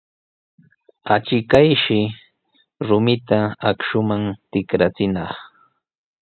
Achkayshi rumita akshuman tikrachinaq.